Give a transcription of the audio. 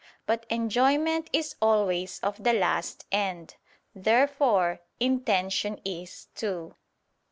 But enjoyment is always of the last end. Therefore intention is too.